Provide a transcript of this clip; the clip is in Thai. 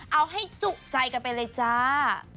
เอาให้จุใจกันไปเลยจ้า